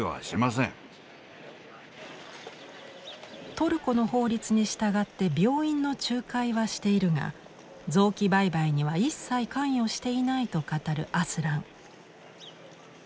トルコの法律に従って病院の仲介はしているが臓器売買には一切関与していないと語るアスラン。